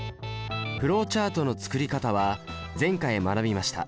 フローチャートの作り方は前回学びました。